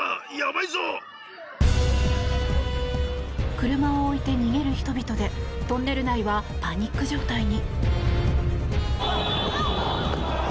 車を置いて逃げる人々でトンネル内はパニック状態に。